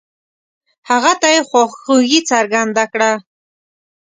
هغه ته يې خواخوږي څرګنده کړه.